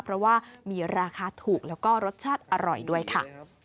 เพราะว่ามีราคาถูกแล้วก็รสชาติอร่อยด้วยค่ะ